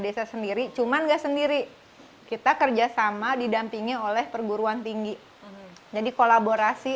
desa sendiri cuman enggak sendiri kita kerjasama didampingi oleh perguruan tinggi jadi kolaborasi